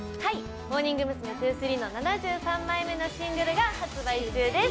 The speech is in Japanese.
モーニング娘’２３の７３枚目のＣＤが発売中です。